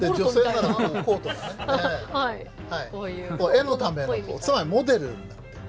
絵のためのつまりモデルになってる。